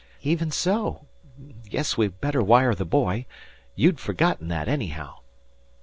"Even so. Guess we'd better wire the boy. You've forgotten that, anyhow."